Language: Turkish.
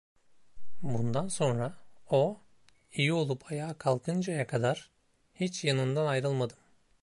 Bundan sonra, o iyi olup ayağa kalkıncaya kadar, hiç yanından ayrılmadım.